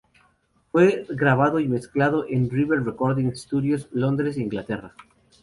Fue grabado y mezclado en "River Recording Studios", Londres, Inglaterra.